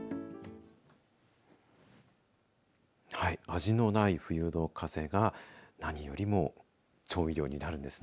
味のない冬の風が何よりも調味料になるんですね。